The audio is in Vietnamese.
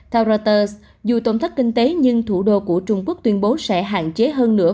theo reuters dù tổn thất kinh tế nhưng thủ đô của trung quốc tuyên bố sẽ hạn chế hơn nữa